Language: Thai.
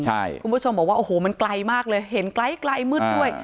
คุณผู้ชมบอกว่าโอ้โหมันไกลมากเลยเห็นไกลมืดด้วย